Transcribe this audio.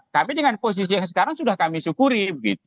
tapi dengan posisi yang sekarang sudah kami syukuri